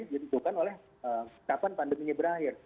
ditentukan oleh kapan pandeminya berakhir